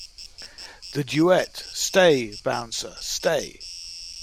The duet, Stay, Bouncer, stay!